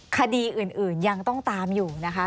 คดีอื่นยังต้องตามอยู่นะคะ